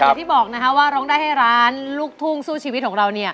อย่างที่บอกนะคะว่าร้องได้ให้ล้านลูกทุ่งสู้ชีวิตของเราเนี่ย